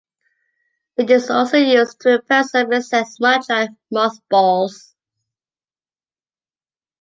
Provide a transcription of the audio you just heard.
It is also used to repel some insects, much like mothballs.